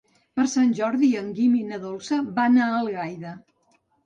Per Sant Jordi en Guim i na Dolça van a Algaida.